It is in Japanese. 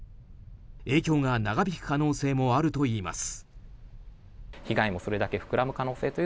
影響が長引く可能性もあるといいます。